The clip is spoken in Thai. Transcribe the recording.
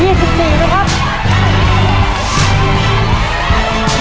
อีกลูกเท่าไหร่